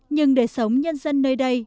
nhưng để sống nhân dân nơi đây